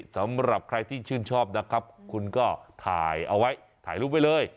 สำหรับใครที่ชื่นชอบนะครับคุณก็ถ่ายเอาไว้ถ่ายรูปไว้เลย